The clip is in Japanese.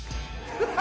「ハハハハ！」